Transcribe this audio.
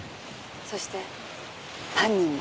そして犯人も。